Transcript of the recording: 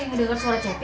oke ngedukur suara cepi